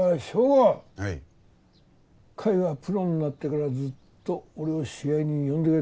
甲斐はプロになってからずっと俺を試合に呼んでくれた。